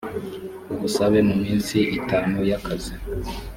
ubusabe mu minsi itanu y akazi